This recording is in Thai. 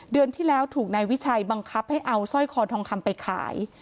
เดือนที่แล้วถูกนายวิชัยบังคับให้เอาสร้อยคอทองคำไปขาย